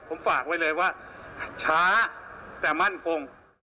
ผมฝากไว้เลยว่าช้าแต่มั่นคง